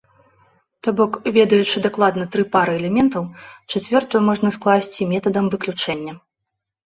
То бок, ведаючы дакладна тры пары элементаў, чацвёртую можна скласці метадам выключэння.